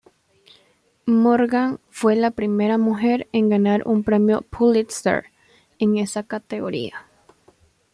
Morgan fue la primera mujer en ganar un Premio Pulitzer en esa categoría.